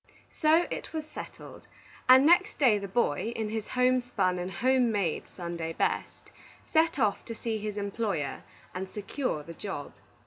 So it was settled, and next day the boy, in his home spun and home made Sunday best, set off to see his employer and secure the job.